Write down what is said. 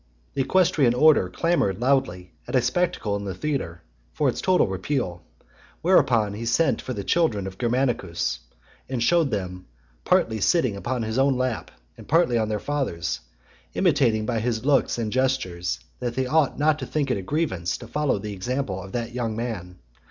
The equestrian order clamoured loudly, at a spectacle in the theatre, for its total repeal; whereupon he sent for the children of Germanicus, and shewed them partly sitting upon his own lap, and partly on their father's; intimating by his looks and gestures, that they ought not to think it a grievance to follow the example of that young man.